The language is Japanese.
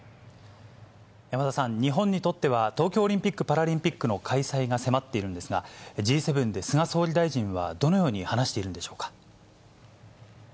山田さん、日本にとっては、東京オリンピック・パラリンピックの開催が迫っているんですが、Ｇ７で菅総理大臣はどのように話しているんでしょうか。